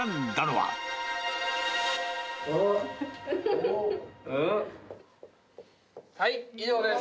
はい、以上です。